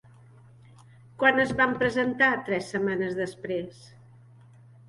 Quan es van presentar tres setmanes després?